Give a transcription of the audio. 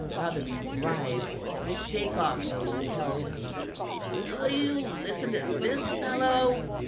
Rotherby writhed to shake off those who held him. "Will ye listen to this fellow?"